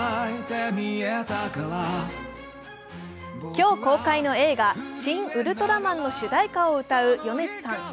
今日、公開の映画「シン・ウルトラマン」の主題歌を歌う米津さん。